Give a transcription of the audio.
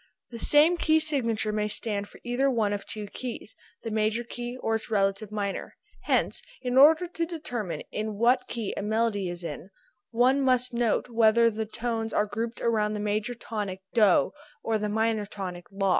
The same key signature may stand for either one of two keys, the major key, or its relative minor, hence in order to determine in what key a melody is one must note whether the tones are grouped about the major tonic DO or the minor tonic LA.